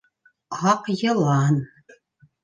- Аҡ йылан.